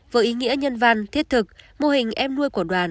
với ý nghĩa nhân văn thiết thực mô hình em nuôi của đoàn